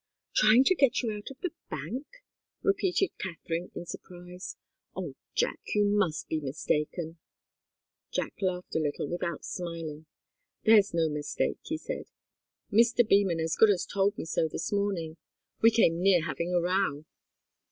"Trying to get you out of the bank?" repeated Katharine, in surprise. "Oh, Jack, you must be mistaken." Jack laughed a little without smiling. "There's no mistake," he said. "Mr. Beman as good as told me so this morning. We came near having a row."